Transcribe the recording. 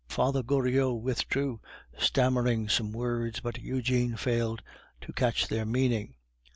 Father Goriot withdrew, stammering some words, but Eugene failed to catch their meaning.